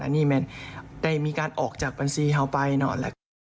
อันนี้มันได้มีการออกจากบัญชีเขาไปนั่นแหละครับ